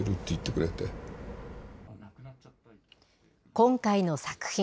今回の作品